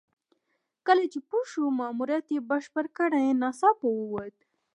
کله چې پوه شو ماموریت یې بشپړ کړی ناڅاپه ووت.